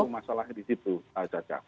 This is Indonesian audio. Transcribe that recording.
masalahnya di situ caca